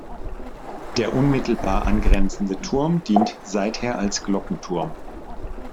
Der unmittelbar angrenzende Turm dient seither als Glockenturm.